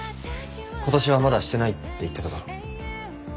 今年はまだしてないって言ってただろ。